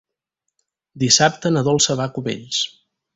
Dissabte na Dolça va a Cubells.